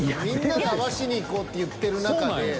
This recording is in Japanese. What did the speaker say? みんなで合わしにいこうって言ってる中で。